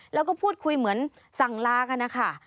แล้วก็พูดคุยเหมือนสั่งลากันนะคะ